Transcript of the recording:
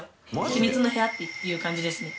秘密の部屋っていう感じですね。